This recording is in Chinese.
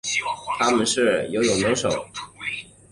它们是游泳能手。